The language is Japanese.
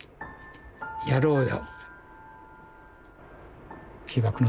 やろうよ」。